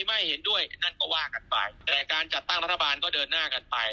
ไม่เห็นด้วยนั่นก็ว่ากันไปแต่การจัดตั้งรัฐบาลก็เดินหน้ากันไป